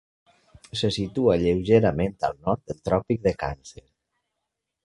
Se situa lleugerament al nord del Tròpic de Càncer.